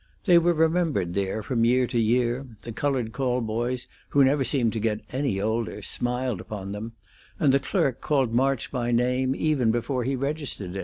They were remembered there from year to year; the colored call boys, who never seemed to get any older, smiled upon them, and the clerk called March by name even before he registered.